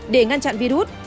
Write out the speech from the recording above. để ngăn chặn virus